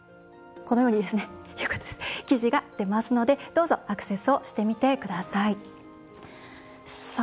このように記事が出ますのでどうぞアクセスしてみてください。